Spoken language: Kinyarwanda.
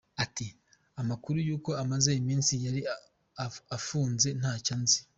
Ati “Amakuru y’ uko amaze iminsi yari afunze ntayo nzi”.